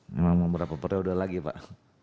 memang berapa periode lagi pak